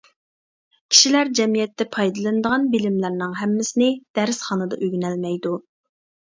كىشىلەر جەمئىيەتتە پايدىلىنىدىغان بىلىملەرنىڭ ھەممىسىنى دەرسخانىدا ئۆگىنەلمەيدۇ.